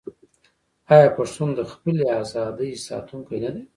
آیا پښتون د خپلې ازادۍ ساتونکی نه دی؟